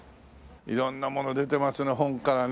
色んなもの出てますね本からね。